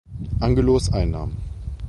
Angelos einnahm.